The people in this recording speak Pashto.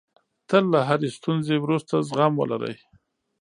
تل له هرې ستونزې وروسته زغم ولرئ.